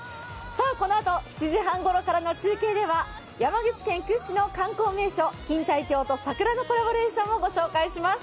このあと７時半ごろからの中継では山口県屈指の観光名所錦帯橋と桜のコラボレーションをご紹介します。